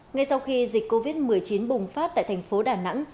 ngay sau khi dịch covid một mươi chín bùng phát tại tp đà nẵng